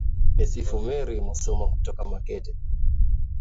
nesifu mary musoma kutoka makete